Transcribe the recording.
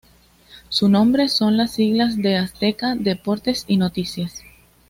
Su nombre son las siglas de "Azteca, Deportes y Noticias".